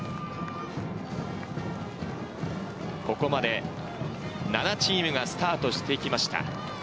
ここまで７チームがスタートしていきました。